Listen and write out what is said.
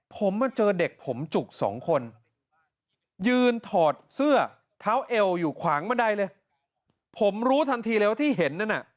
ผมมาเจอเด็กผมจุกสองคนยืนถอดเสื้อเท้าเอวอยู่ขวางบันไดเลยผมรู้ทันทีเลยว่าที่เห็นนั่นน่ะ